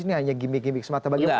ini hanya gimmick gimmick semata bagaimana